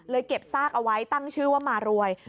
เก็บซากเอาไว้ตั้งชื่อว่ามารวย